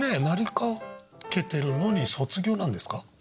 なりかけてるのに卒業なんですか？